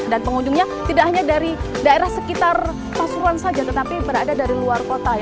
dan pengunjungnya tidak hanya dari daerah sekitar pasuruan saja tetapi berada dari luar kota